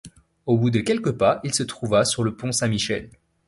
Au bout de quelques pas, il se trouva sur le Pont Saint-Michel.